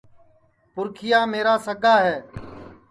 پُرکھِِیا میرا سگا ہے